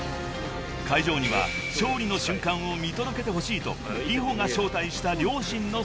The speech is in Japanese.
［会場には勝利の瞬間を見届けてほしいとＲｉｈｏが招待した両親の姿が］